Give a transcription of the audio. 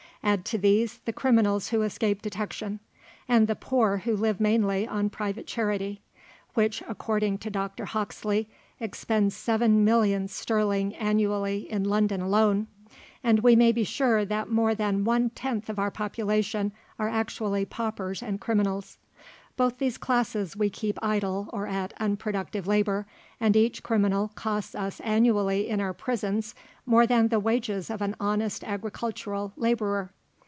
Add to these, the criminals who escape detection; and the poor who live mainly on private charity, (which, according to Dr. Hawkesley, expends seven millions sterling annually is London alone,) and we may be sure that more than ONE TENTH of our population are actually Paupers and Criminals. Both these classes we keep idle or at unproductive labour, and each criminal costs us annually in our prisons more than the wages of an honest agricultural labourer.